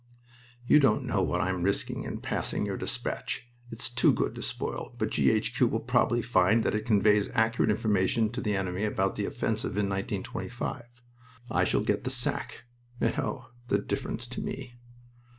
"You don't know what I am risking in passing your despatch! It's too good to spoil, but G. H. Q. will probably find that it conveys accurate information to the enemy about the offensive in 1925. I shall get the sack and oh, the difference to me!"